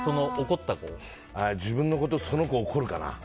自分の子とその子を怒るかな。